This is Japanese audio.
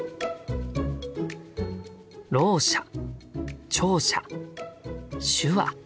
「ろう者」「聴者」「手話」。